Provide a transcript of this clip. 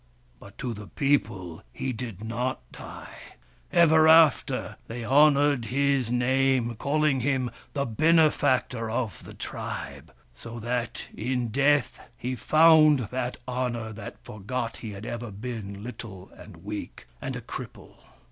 But to the people he did not die. Ever after they honoured his name, calling him the benefactor of the tribe : so that in death he found that honour that forgot he had ever been little and weak, and a cripple.